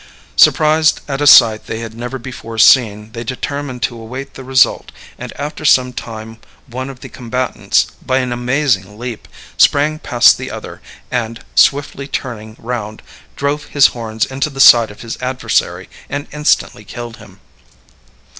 Surprised at a sight they had never before seen, they determined to await the result; and after some time one of the combatants, by an amazing leap, sprang past the other, and, swiftly turning round, drove his horns into the side of his adversary and instantly killed him.